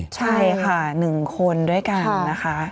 ใช่ค่ะ๑คนด้วยกันนะคะ